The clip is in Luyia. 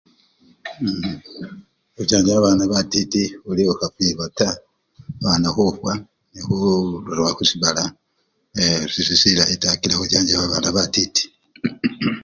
U! khuchanja babana batiti khuli khukhafilwa taa, babana khufwa nende khururawo khusibala ee! sesili silayi taa kila khuchanja babana batiti u!u!u!